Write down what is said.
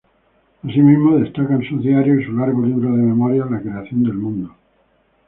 Asimismo destacan sus "Diarios", y su largo libro de memorias, "La creación del mundo".